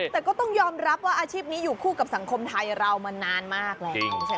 แต่ก็ต้องยอมรับว่าอาชีพนี้อยู่คู่กับสังคมไทยเรามานานมากแล้ว